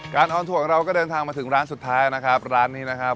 ออนทัวร์ของเราก็เดินทางมาถึงร้านสุดท้ายนะครับร้านนี้นะครับ